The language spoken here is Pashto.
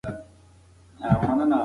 د لندن وخت په ماپښین و.